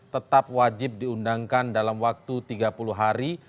tetap wajib diundangkan dalam waktu tiga puluh hari